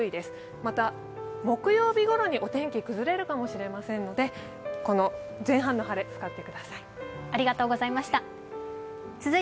また木曜日ごろにお天気崩れるかもしれませんのでこの前半の晴れを使ってください。